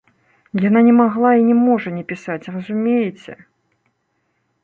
Яна не магла і не можа не пісаць, разумееце.